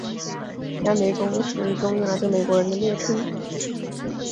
亚米公是日语中用来对美国人的蔑称。